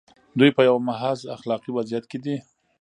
دوی په یوه محض اخلاقي وضعیت کې دي.